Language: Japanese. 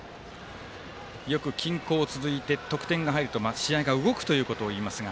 よく均衡続いて得点が入ると試合が動くということを言いますが。